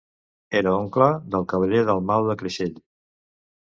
Era oncle del cavaller Dalmau de Creixell.